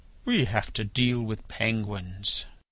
We have to deal with penguins."